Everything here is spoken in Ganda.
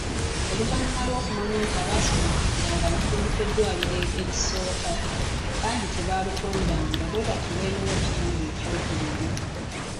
Oluvannyuma lw’okumanya nti abaasumulukukiranga mu kitundu ky’eddwaliro ekisooka, bangi tebaalutondanga, bwe batyo beeyuna ekitundu ekyokubiri.